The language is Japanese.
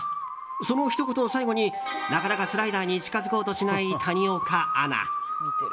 そのひと言を最後になかなかスライダーに近づこうとしない谷岡アナ。